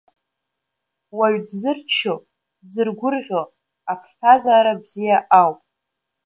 Уаҩ дзырччо, дзыргәырӷьо, аԥсҭазаара бзиа ауп.